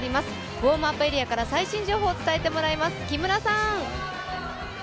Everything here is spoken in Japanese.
ウォームアップエリアから最新情報を伝えてもらいます。